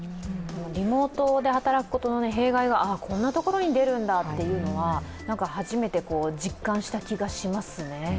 リモートで働くことの弊害がこんなところに出るんだというのは初めて実感した気がしますね。